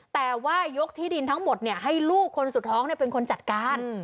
แต่ว่ายกที่ดินทั้งหมดให้ลูกคนสุดท้องเป็นคนจัดการ